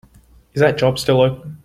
Is that job still open?